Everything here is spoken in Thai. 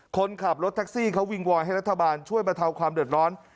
คนขับรถแท็กซี่เขาวิงวอนให้รัฐบาลช่วยบรรเทาความเดือดร้อน